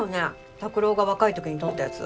拓郎が若いときにとったやつ。